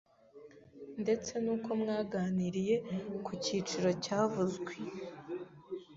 ndetse n’uko mwaganiriye mu kiciro cyavuzwe